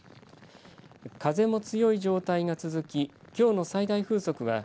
風も強い状態が続ききょうの最大風速は